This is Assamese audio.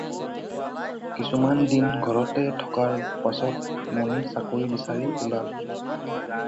কিছুমান দিন ঘৰতে থকাৰ পাচত মণি চাকৰি বিচাৰি ওলাল।